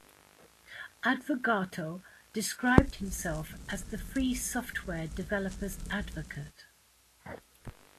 Advogato described itself as the free software developer's advocate.